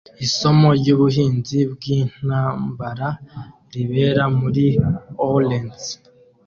isomo ryubuhanzi bwintambara ribera muri Ourense